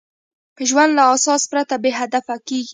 ژوند له اساس پرته بېهدفه کېږي.